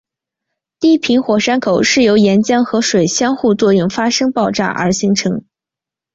低平火山口是由岩浆和水相互作用发生爆炸而形成。